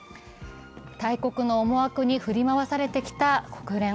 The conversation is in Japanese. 大国の思惑に振り回されてきた国連。